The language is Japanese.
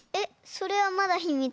それはまだひみつ。